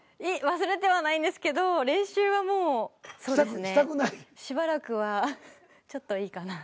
忘れてはないんですけど練習はもうしばらくはちょっといいかなっていう。